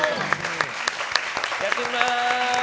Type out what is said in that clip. やってみます！